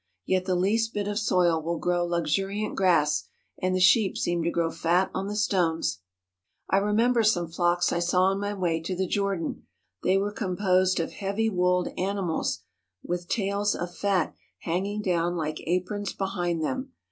Yet the least bit of soil will grow luxuriant grass, and the sheep seem to grow fat on the stones. I remember some flocks I saw on my way to the Jor dan. They were composed of heavy wooled animals with tails of fat hanging down like aprons behind them.